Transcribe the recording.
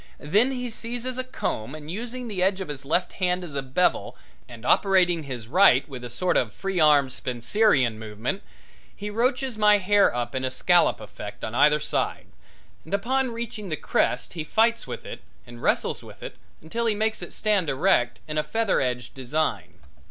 Then he seizes a comb, and using the edge of his left hand as a bevel and operating his right with a sort of free arm Spencerian movement, he roaches my hair up in a scallop effect on either side, and upon reaching the crest he fights with it and wrestles with it until he makes it stand erect in a feather edged design.